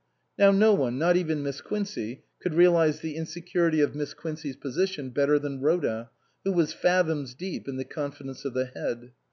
Now no one (not even Miss Quincey) could realize the insecurity of Miss Quincey's position better than Rhoda, who was fathoms deep in the confidence of the Head.